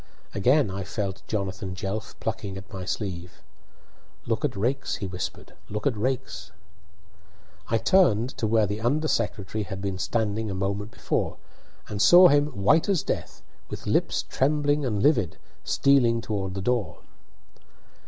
Again I felt Jonathan Jelf plucking at my sleeve. "Look at Raikes," he whispered; "look at Raikes!" I turned to where the under secretary had been standing a moment before, and saw him, white as death, with lips trembling and livid, stealing toward the door.